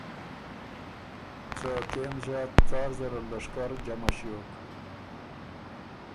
څۀ کېم ݫیات څار زاره لشکر جمع ݭیوک